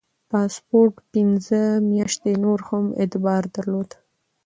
پاسپورت پنځه میاشتې نور هم اعتبار درلود.